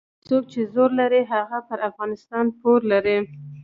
څوک چې زور لري هغه پر افغانستان پور لري.